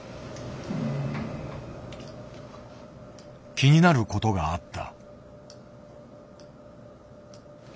気になることがあった。